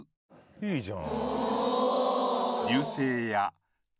いいじゃん。